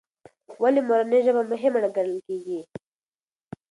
ولې مورنۍ ژبه مهمه ګڼل کېږي؟